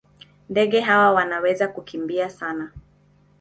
Ndege hawa wanaweza kukimbia sana.